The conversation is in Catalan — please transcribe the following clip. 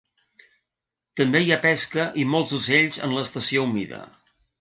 També hi ha pesca i molts ocells en l'estació humida.